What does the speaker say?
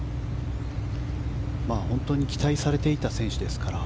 本当に期待されていた選手ですから。